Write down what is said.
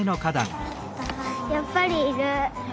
やっぱりいる。